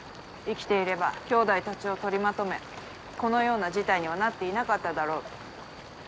生きていればきょうだいたちを取りまとめこのような事態にはなっていなかっただろうと。